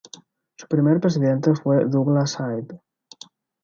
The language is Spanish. Su primer presidente fue Douglas Hyde.